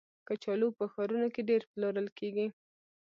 کچالو په ښارونو کې ډېر پلورل کېږي